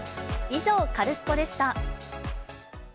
以上、カルスポっ！でした。